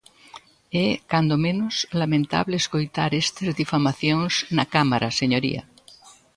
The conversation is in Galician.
É, cando menos, lamentable escoitar estas difamacións na Cámara, señoría.